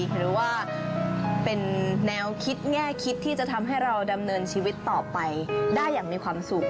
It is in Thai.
หรือว่าเป็นแนวคิดแง่คิดที่จะทำให้เราดำเนินชีวิตต่อไปได้อย่างมีความสุข